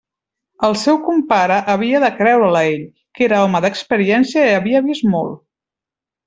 El seu compare havia de creure'l a ell, que era home d'experiència i havia vist molt.